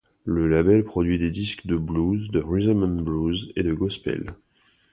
Le label produit des disques de blues, de rhythm and blues et de gospel.